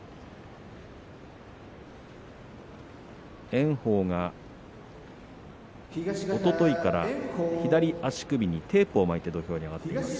炎鵬が、おとといから左足首にテープを巻いて土俵に上がっています。